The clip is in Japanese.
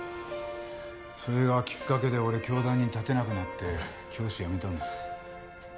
それがきっかけで俺教壇に立てなくなって教師辞めたんです。